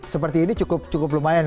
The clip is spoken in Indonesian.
seperti ini cukup lumayan ya